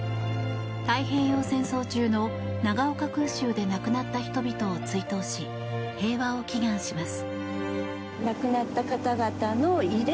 太平洋戦争中の長岡空襲で亡くなった人々を追悼し平和を祈願します。